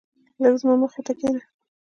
لږ زما مخی ته کينه